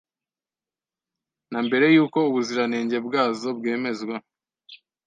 na mbere y'uko ubuziranenge bwazo bwemezwa.